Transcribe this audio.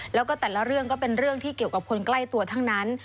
แล้วก็แต่ละเรื่องก็เป็นเรื่องที่เกี่ยวกับคนใกล้ตัวทั้งนั้น